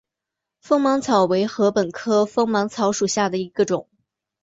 锋芒草为禾本科锋芒草属下的一个种。